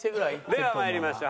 ではまいりましょう。